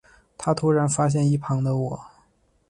他突然发现一旁的我